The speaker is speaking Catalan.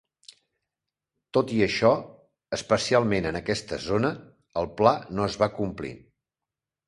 Tot i això, especialment en aquesta zona, el pla no es va complir.